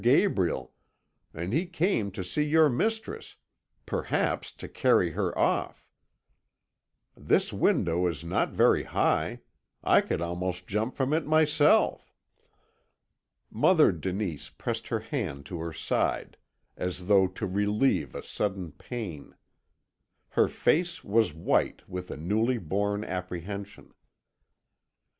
Gabriel, and he came to see your mistress perhaps to carry her off! This window is not very high; I could almost jump from it myself." Mother Denise pressed her hand to her side, as though to relieve a sudden pain; her face was white with a newly born apprehension.